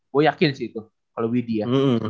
gue yakin sih itu kalau widhi ya